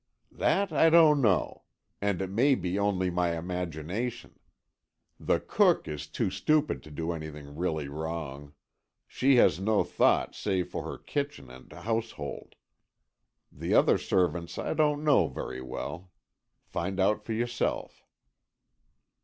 "That I don't know. And it may be only my imagination. The cook is too stupid to do anything really wrong. She has no thought save for her kitchen and household. The other servants I don't know very well. Find out for yourself."